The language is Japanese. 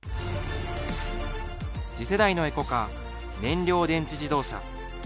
次世代のエコカー、燃料電池自動車。